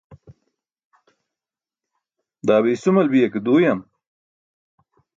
Daa be isumal biya ke duuyam?